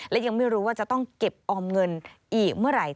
และยังไม่รู้ว่าจะต้องเก็บออมเงินอีกเมื่อไหร่